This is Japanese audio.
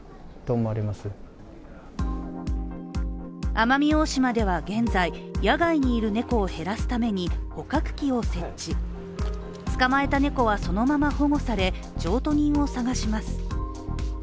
奄美大島では現在野外にいる猫を減らすために捕獲器を設置、捕まえた猫はそのまま保護され譲渡人を探します。